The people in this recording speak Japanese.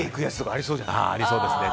ありそうですね。